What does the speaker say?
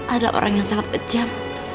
adalah orang yang sangat kejam